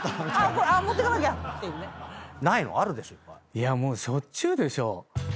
いやもうしょっちゅうでしょ。